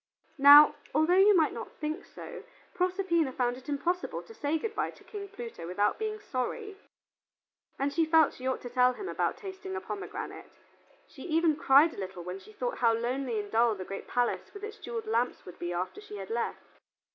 Now, although you might not think so, Proserpina found it impossible to say good by to King Pluto without being sorry, and she felt she ought to tell him about tasting the pomegranate. She even cried a little when she thought how lonely and dull the great palace with its jeweled lamps would be after she had left.